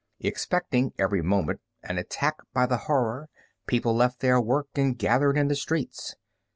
Expecting every moment an attack by the Horror, people left their work and gathered in the streets.